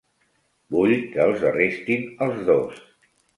Vull que els arrestin als dos.